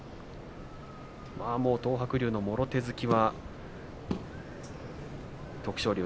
もう東白龍のもろ手突きは徳勝龍